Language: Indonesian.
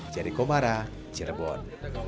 jadi komara cirebon